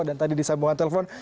dan tadi di sambungan telepon